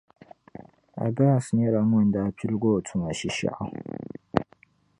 Abbas nyɛla ŋun daa piligi o tuma Shishɛɣu.